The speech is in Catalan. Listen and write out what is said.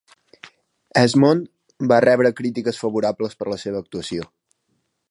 Esmond va rebre crítiques favorables per la seva actuació.